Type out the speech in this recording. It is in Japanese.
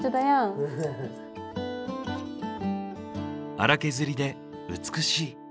荒削りで美しい。